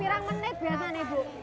berapa menit biasanya bu